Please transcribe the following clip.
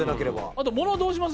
あとものどうします？